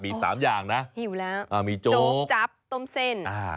มี๓อย่างนะมีโจ๊กจับต้มเส้นอ่ามีหิวแล้ว